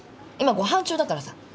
今ご飯中だからさ。